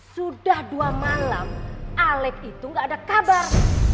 sudah dua malam alec itu gak ada kabar